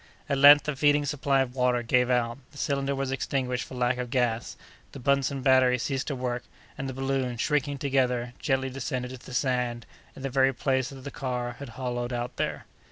At length the feeding supply of water gave out; the cylinder was extinguished for lack of gas; the Buntzen battery ceased to work, and the balloon, shrinking together, gently descended to the sand, in the very place that the car had hollowed out there.